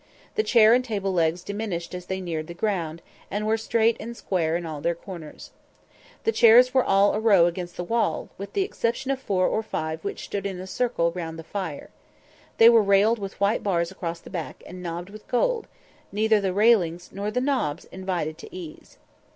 The chair and table legs diminished as they neared the ground, and were straight and square in all their corners. The chairs were all a row against the walls, with the exception of four or five which stood in a circle round the fire. They were railed with white bars across the back and knobbed with gold; neither the railings nor the knobs invited to ease.